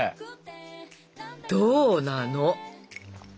どうなの？